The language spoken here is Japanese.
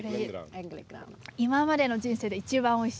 今までの人生で一番おいしい。